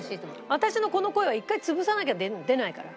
私のこの声は一回潰さなきゃ出ないから。